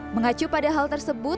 mengacu pada hal tersebut